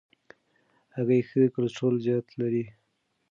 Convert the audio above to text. هګۍ ښه کلسترول زیات لري.